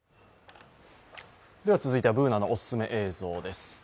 続いてはＢｏｏｎａのおすすめ映像です。